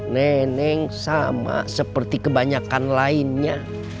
neneng sama seperti kebanyakan lainnya